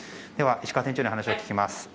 では、石川店長に話を聞きます。